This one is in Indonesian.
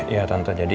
iya tante jadi